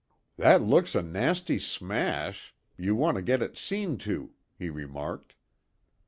"That looks a nasty smash; you want to get it seen to," he remarked.